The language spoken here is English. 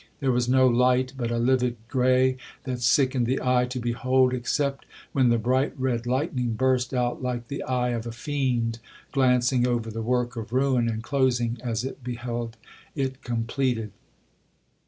There was no light, but a livid grey that sickened the eye to behold, except when the bright red lightning burst out like the eye of a fiend, glancing over the work of ruin, and closing as it beheld it completed.